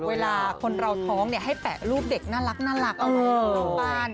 พบเวลาคนเราท้องให้แปะรูปเด็กน่ารักของบาน